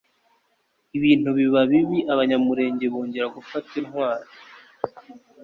ibintu biba bibi Abanyamulenge bongera gufata Intwaro,